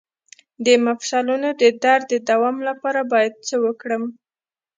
د مفصلونو د درد د دوام لپاره باید څه وکړم؟